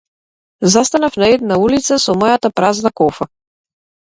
Застанав на една улица со мојата празна кофа.